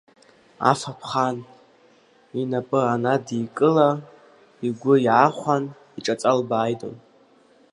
Афатә хаан, инапы анадикыла, игәы иаахәаны иҿаҵа лбааидон.